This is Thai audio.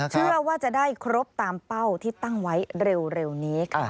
เชื่อว่าจะได้ครบตามเป้าที่ตั้งไว้เร็วนี้ค่ะ